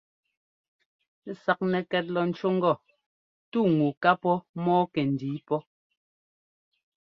Saknɛkɛt lɔ ńcú ŋgɔ: «tú ŋu ká pɔ́ mɔ́ɔ kɛndǐi pɔ́».